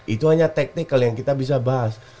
itu hanya tactical yang kita bisa bahas